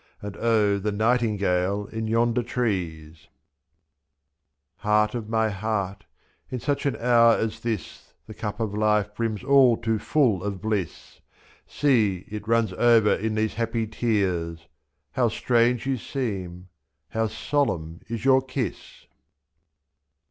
And O the nightingale in yonder trees ! 96 Heart of my heart, in such an hour as this The cup of life brims all too full of bliss, 2 f 7. See, it runs over in these happy tears — How strange you seem ! how solemn is your kiss